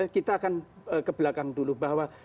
kita akan ke belakang dulu bahwa